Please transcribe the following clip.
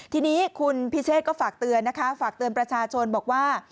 ทีนี้คุณพิเชษก็ฝากเตือนนะคะฝากเตือนประชาชนบอกว่า